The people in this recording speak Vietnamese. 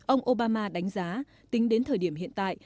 ông obama đánh giá tính đến thời điểm hiện tại